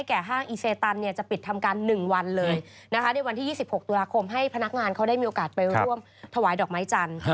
ห้างอีเซตันจะปิดทำการ๑วันเลยนะคะในวันที่๒๖ตุลาคมให้พนักงานเขาได้มีโอกาสไปร่วมถวายดอกไม้จันทร์